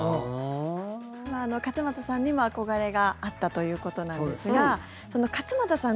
勝俣さんにも憧れがあったということなんですがその勝俣さん